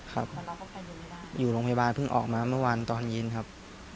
ครับอยู่โรงพยาบาลเพิ่งออกมาเมื่อวานตอนเย็นครับ